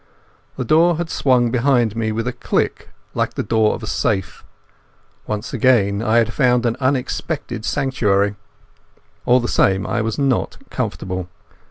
The door had swung behind me with a click like the door of a safe. Once again I had found an unexpected sanctuary. All the same I was not comfortable.